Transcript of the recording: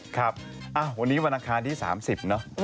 ครับวันนี้วันอังคารที่๓๐เนอะ